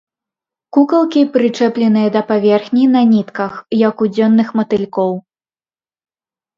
Кукалкі прычэпленыя да паверхні на нітках, як у дзённых матылькоў.